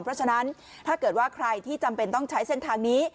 เพราะฉะนั้นถ้าเกิดว่าใครที่จำเป็นต้องใช้เส้นทางนี้